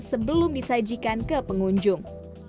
sebelum disajikan ke pengunjung